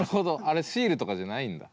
あれシールとかじゃないんだ。